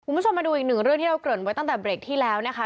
คุณผู้ชมมาดูอีกหนึ่งเรื่องที่เราเกริ่นไว้ตั้งแต่เบรกที่แล้วนะคะ